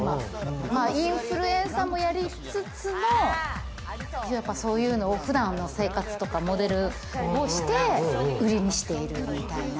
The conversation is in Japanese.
インフルエンサーもやりつつも、そういうのを普段の生活とか、モデルをして売りにしている。